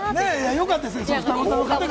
よかったですね。